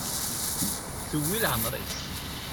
Tewwi leɛmer-is.